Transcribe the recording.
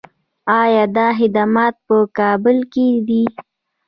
آیا دا خدمات په کابل کې دي؟